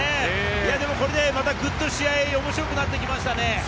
いや、でもこれでまた、ぐっと試合が面白くなってきましたね。